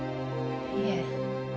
いえ。